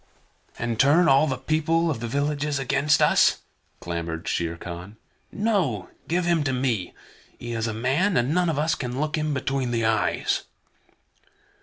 "And turn all the people of the villages against us?" clamored Shere Khan. "No, give him to me. He is a man, and none of us can look him between the eyes."